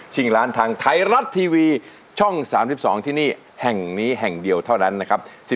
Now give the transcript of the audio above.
ร้านทางไทยรัฐทีวีช่อง๓๒ที่นี่แห่งนี้แห่งเดียวเท่านั้นนะครับ